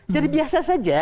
jadi biasa saja